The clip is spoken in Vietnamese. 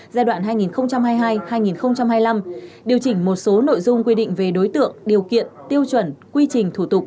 giai đoạn hai nghìn hai mươi hai hai nghìn hai mươi năm điều chỉnh một số nội dung quy định về đối tượng điều kiện tiêu chuẩn quy trình thủ tục